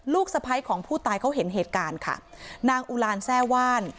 สะพ้ายของผู้ตายเขาเห็นเหตุการณ์ค่ะนางอุลานแทร่ว่าน